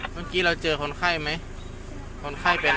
เมื่อกี้เราเจอคนไข้มั้ย